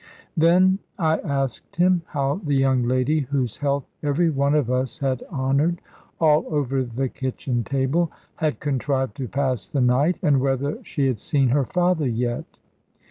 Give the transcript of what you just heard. Then I asked him how the young lady (whose health every one of us had honoured, all over the kitchen table) had contrived to pass the night, and whether she had seen her father yet.